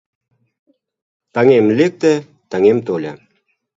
Таҥем лекте, таҥем тольо